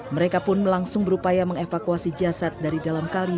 mereka pun langsung berupaya mengevakuasi jasad dari dalam kali